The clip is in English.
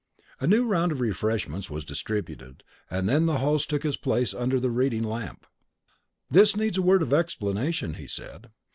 A new round of refreshments was distributed, and then the host took his place under the reading lamp. "This needs a word of explanation," he said.